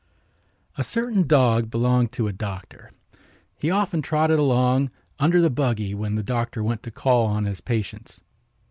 A certain dog belonged to a doctor. He often trotted along under the buggy when the doctor went to call on his patients.